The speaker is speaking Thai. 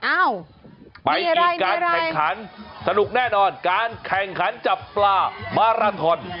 อ้าวไปอีกการแข่งขันสนุกแน่นอนการแข่งขันจับปลามาราทอน